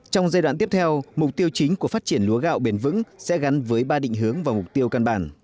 trong giai đoạn tiếp theo mục tiêu chính của phát triển lúa gạo bền vững sẽ gắn với ba định hướng và mục tiêu căn bản